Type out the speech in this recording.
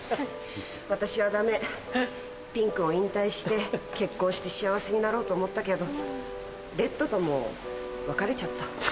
私はダメピンクを引退して結婚して幸せになろうと思ったけどレッドとも別れちゃった。